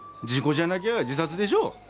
事故じゃなきゃ自殺でしょう。